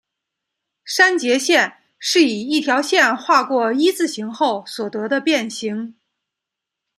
删节线是以一条线划过一字形后所得的变型。